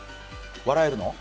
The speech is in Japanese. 笑えるの？